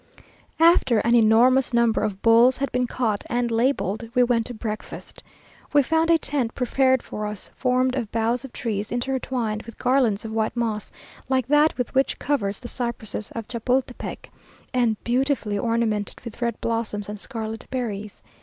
After an enormous number of bulls had been caught and labelled, we went to breakfast. We found a tent prepared for us, formed of bows of trees intertwined with garlands of white moss, like that which covers the cypresses of Chapultepec, and beautifully ornamented with red blossoms and scarlet berries.